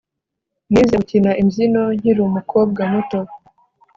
Nize gukina imbyino nkiri umukobwa muto